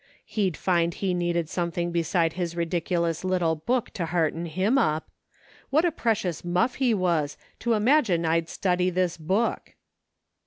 He'd find he needed something beside his ridiculous little book to hearten him up. What a precious muff he was, to imagine I'd study this book!"